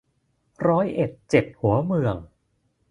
ร้อยเอ็ดเจ็ดหัวเมือง